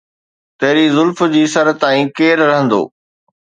تري زلف جي سر تائين ڪير رهندو؟